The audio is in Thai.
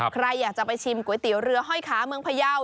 ใครอยากจะไปชิมก๋วยเตี๋ยวเรือห้อยขาเมืองพยาว